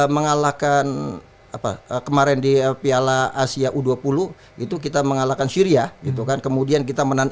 mengalahkan apa kemarin di piala asia u dua puluh itu kita mengalahkan syria gitu kan kemudian kita menang